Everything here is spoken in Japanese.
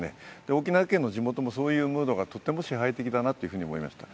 沖縄県の地元もそういうムードがとても支配的だなと思いました。